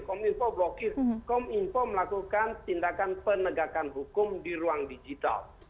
kom info melakukan tindakan penegakan hukum di ruang digital